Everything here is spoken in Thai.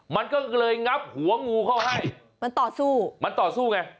มันก็เลยงับหัวงูเข้าให้มันต่อสู้มันต่อสู้ไง